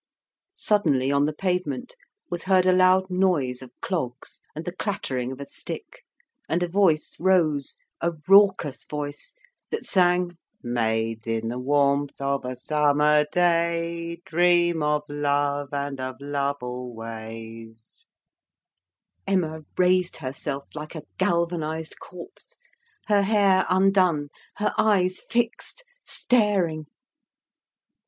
Suddenly on the pavement was heard a loud noise of clogs and the clattering of a stick; and a voice rose a raucous voice that sang "Maids in the warmth of a summer day Dream of love and of love always" Emma raised herself like a galvanised corpse, her hair undone, her eyes fixed, staring.